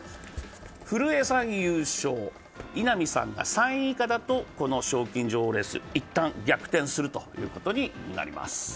古江さん優勝、稲見さんが３位以下だと賞金女王レース、一旦逆転することになります。